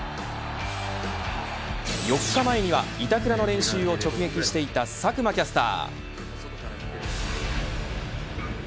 ４日前には板倉の練習を直撃していた佐久間キャスター。